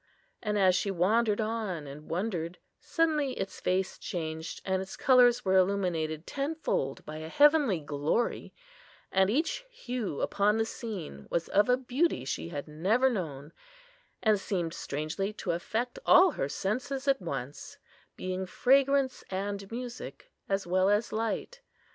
And, as she wandered on and wondered, suddenly its face changed, and its colours were illuminated tenfold by a heavenly glory, and each hue upon the scene was of a beauty she had never known, and seemed strangely to affect all her senses at once, being fragrance and music, as well as light.